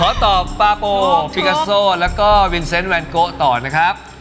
ขอตอบปาโปฟิกาโซแล้วก็วินเซนต์แวนโกะต่อนะครับ